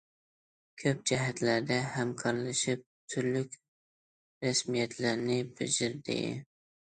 كۆپ جەھەتلەردە ھەمكارلىشىپ، تۈرلۈك رەسمىيەتلەرنى بېجىردى.